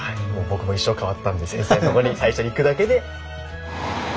僕も一生変わったんで先生のとこに最初に行くだけで。